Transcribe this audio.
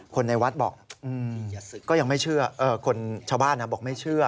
คนในวัดบอกก็ยังไม่เชื่อคนชาวบ้านบอกไม่เชื่อ